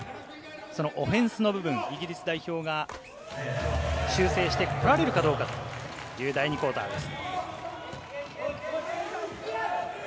オフェンスの部分、イギリス代表が修正してこられるかどうかという第２クオーターです。